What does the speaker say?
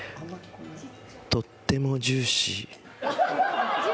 とってもジューシー。